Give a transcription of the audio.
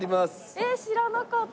えーっ知らなかった。